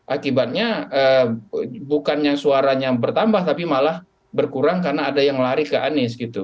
akibatnya bukannya suaranya bertambah tapi malah berkurang karena ada yang lari ke anies gitu